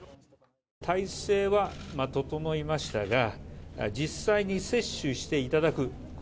体制は整いましたが実際に接種していただく。